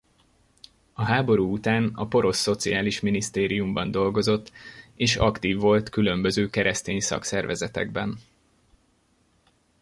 A háború után a porosz szociális minisztériumban dolgozott és aktív volt különböző keresztény szakszervezetekben.